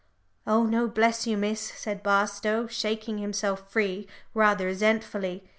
"Oh no, bless you, Miss," said Barstow, shaking himself free rather resentfully.